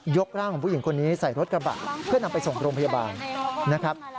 กร่างของผู้หญิงคนนี้ใส่รถกระบะเพื่อนำไปส่งโรงพยาบาลนะครับ